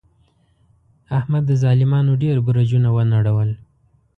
احمد د ظالمانو ډېر برجونه و نړول.